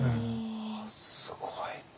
すごい。